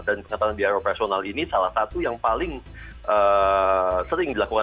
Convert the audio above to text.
dan pengetatan biaya operasional ini salah satu yang paling sering dilakukan